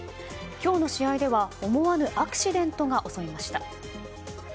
今日の試合では思わぬアクシデントが襲いました。